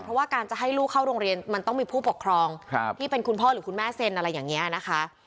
เพราะว่าการจะให้ลูกเข้าโรงเรียนมันต้องมีผู้ปกครองที่เป็นคุณพ่อหรือคุณแม่เซ็นอะไรอย่างนี้นะคะ